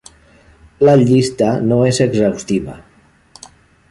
La llista no és exhaustiva.